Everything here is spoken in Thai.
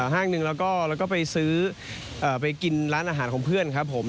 ห้างหนึ่งแล้วก็ไปซื้อไปกินร้านอาหารของเพื่อนครับผม